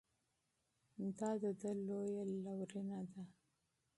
دا د ده لویه لورینه ده.